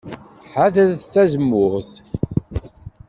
Ḥadret tazemmurt.